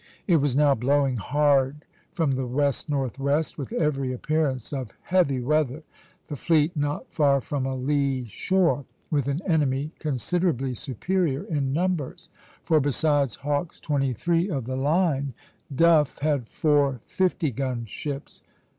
It was now blowing hard from the west northwest, with every appearance of heavy weather, the fleet not far from a lee shore, with an enemy considerably superior in numbers; for besides Hawke's twenty three of the line, Duff had four fifty gun ships.